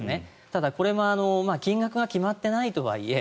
ただ、これも金額が決まっていないとはいえ